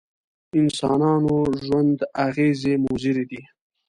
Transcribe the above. انسانانو ژوند اغېزې مضرې دي.